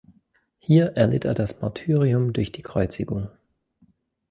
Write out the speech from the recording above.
Hier erlitt er das Martyrium durch die Kreuzigung.